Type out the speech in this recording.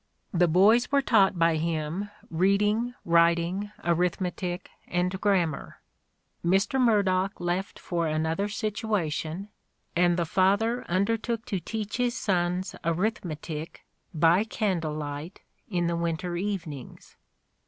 The boys were taught by him reading, writing, arithmetic and grammar ... Mr. Murdock left for another situation (and) the father undertook to teach his sons arithmetic by candle light in the winter evenings.